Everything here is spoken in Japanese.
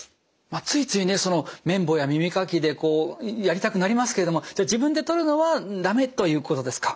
ついつい綿棒や耳かきでやりたくなりますけれども自分で取るのはだめということですか？